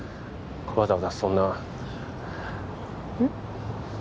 わざわざそんなうん？